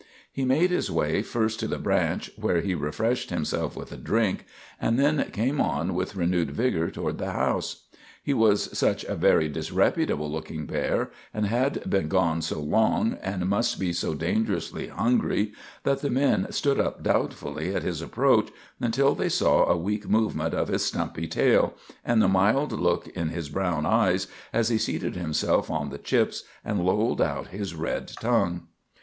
He made his way first to the branch, where he refreshed himself with a drink, and then came on with renewed vigor toward the house. He was such a very disreputable looking bear, and had been gone so long, and must be so dangerously hungry, that the men stood up doubtfully at his approach until they saw a weak movement of his stumpy tail and the mild look in his brown eyes as he seated himself on the chips and lolled out his red tongue.